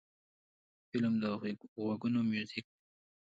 فلم د غوږونو میوزیک دی